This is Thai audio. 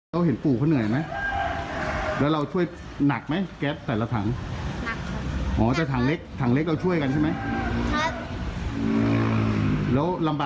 เราก็เลยไปช่วยปูใช่ไหมครับ